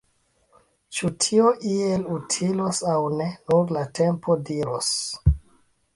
Ĉu tio iel utilos aŭ ne, nur la tempo diros!